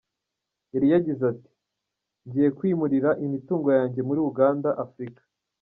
Yari yagize ati "Ngiye kwimurira imitungo yanjye muri Uganda, Africa.